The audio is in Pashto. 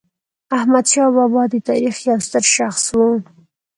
احمدشاه بابا د تاریخ یو ستر شخص و.